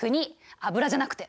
油じゃなくて。